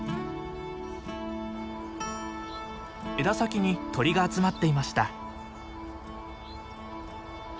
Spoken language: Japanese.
枝先に鳥が集まっていました。